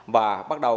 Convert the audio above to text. và bắt đầu